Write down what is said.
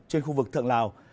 trên khu vực thượng lào